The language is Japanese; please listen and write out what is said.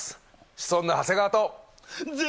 シソンヌ・長谷川と。